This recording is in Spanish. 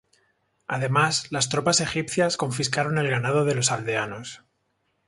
Además, las tropas egipcias confiscaron el ganado de los aldeanos.